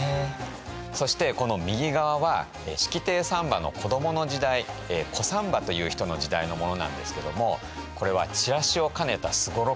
そしてこの右側は式亭三馬の子どもの時代小三馬という人の時代のものなんですけどもこれはチラシを兼ねた双六なんですね。